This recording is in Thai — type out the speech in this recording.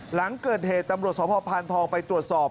หลังเกิดเหตุตำรวจสภพานทองไปตรวจสอบ